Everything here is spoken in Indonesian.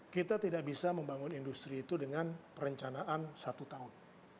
kita tidak bisa membangun industri itu dengan perencanaan satu tahun